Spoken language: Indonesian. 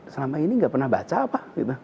selama ini nggak pernah baca apa